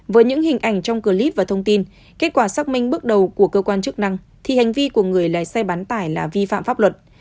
với những hình ảnh trong clip và thông tin kết quả xác minh bước đầu của cơ quan chức năng thì hành vi của người lái xe bán tải là vi phạm pháp luật